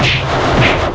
aku menghampiri kalian